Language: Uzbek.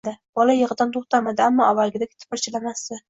Bola yig‘idan to‘xtamadi, ammo avvalgidek tipirchilamasdi.